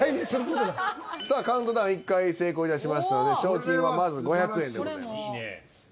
さあカウントダウン１回成功いたしましたので賞金はまず５００円でございます。